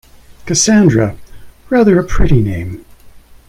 Cassandra; rather a pretty name.